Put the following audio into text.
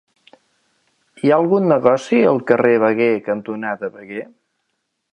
Hi ha algun negoci al carrer Veguer cantonada Veguer?